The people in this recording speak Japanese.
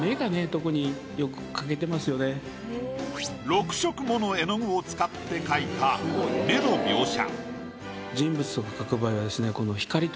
６色もの絵の具を使って描いた目の描写。